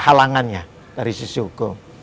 halangannya dari sisi hukum